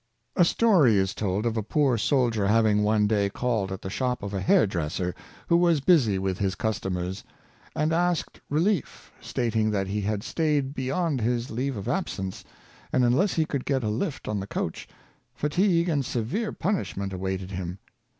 A story is told of a poor soldier having one day called at the shop of a hair dresser, who was busy with his customers, and asked relief, stating that he had staid beyond his leave of absence, and unless he could get a lift on the coach, fatigue and severe punishment awaited him.